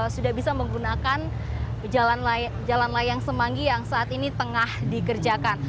sudah bisa menggunakan jalan layang semanggi yang saat ini tengah dikerjakan